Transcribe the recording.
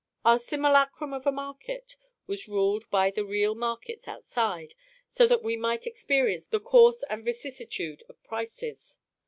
Our simulacrum of a market was ruled by the real markets outside, so that we might experience the course and vicissitude of prices.